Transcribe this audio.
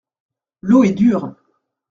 L’eau est dure.